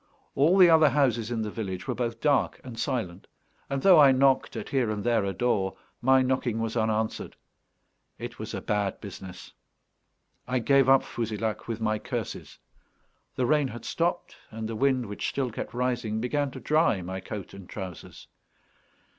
All the other houses in the village were both dark and silent; and though I knocked at here and there a door, my knocking was unanswered. It was a bad business; I gave up Fouzilhac with my curses. The rain had stopped, and the wind, which still kept rising, began to dry my coat and trousers.